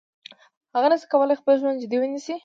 هغه نشي کولای خپل ژوند جدي ونیسي.